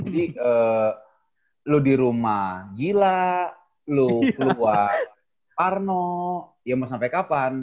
jadi lo di rumah gila lo keluar parno ya mau sampai kapan